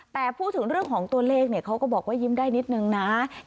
แต่พูดถึงเรื่องของตัวเลขเขาก็บอกว่ายิ้มได้นิดนึงนะ